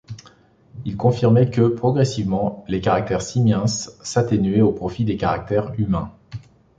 Il confirmait que, progressivement, les caractères simiens s'atténuaient au profit des caractères humains.